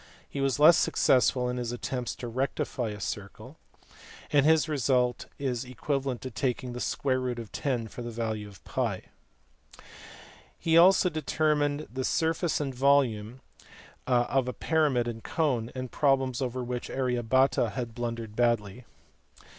He was less successful in his attempt to rectify a circle, and his result is equivalent to taking \/10 for the value of TT. He also determined the sur face and volume of a pyramid and cone ; problems over which Arya Bhata had blundered badly.